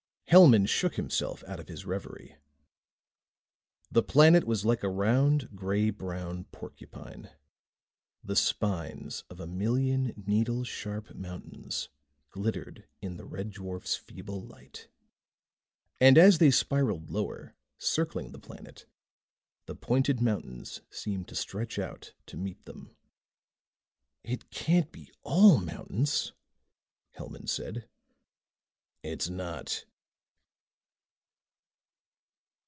Hellman shook himself out of his reverie. The planet was like a round gray brown porcupine. The spines of a million needle sharp mountains glittered in the red dwarf's feeble light. And as they spiraled lower, circling the planet, the pointed mountains seemed to stretch out to meet them. "It can't be all mountains," Hellman said. "It's not."